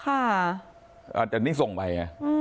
อันนี้ส่งไป